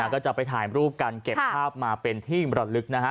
ก็จะไปถ่ายรูปกันเก็บภาพมาเป็นที่มรลึกนะฮะ